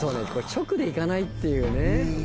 直でいかないっていうね。